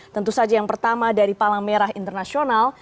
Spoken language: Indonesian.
tentu saja yang pertama dari palang merah internasional